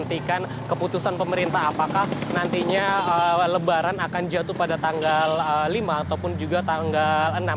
nantikan keputusan pemerintah apakah nantinya lebaran akan jatuh pada tanggal lima ataupun juga tanggal enam